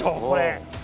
これ。